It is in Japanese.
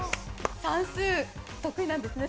算数得意なんですね？